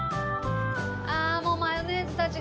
ああもうマヨネーズたちが。